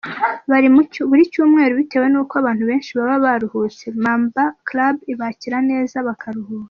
Buri cyumweru bitewe n’uko abantu benshi baba baruhutse Mamba club ibakira neza bakaruhuka.